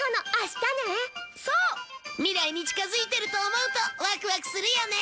未来に近づいてると思うとワクワクするよね！